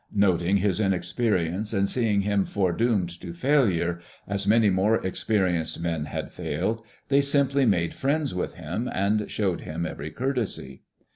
Noting his inexperi ence and seeing him foredoomed to failure, as many more experienced man had failed, they simply made friends with him and showed him every courtesy.